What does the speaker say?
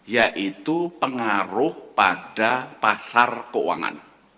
yaitu pengaruh pada pasar keuangan